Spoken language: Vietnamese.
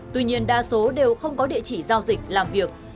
tuy nhiên đa số đều không có địa chỉ giao dịch làm việc